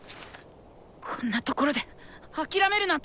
こんなところで諦めるなんて